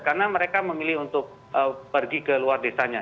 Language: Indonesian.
karena mereka memilih untuk pergi ke luar desanya